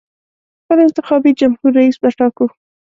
خپل انتخابي جمهور رییس به ټاکو.